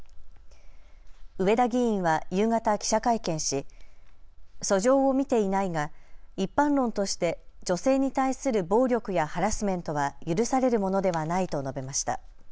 上田議員は夕方、記者会見し訴状を見ていないが一般論として女性に対する暴力やハラスメントは許されるものではないと述べました。